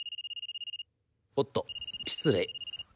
「おっと失礼。